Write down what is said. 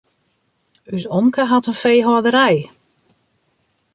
Us omke hat in feehâlderij.